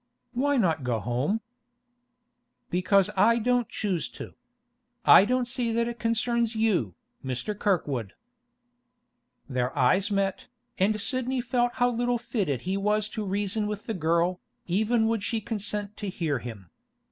'Why not go home?' 'Because I don't choose to. I don't see that it concerns you, Mr. Kirkwood.' Their eyes met, and Sidney felt how little fitted he was to reason with the girl, even would she consent to hear him.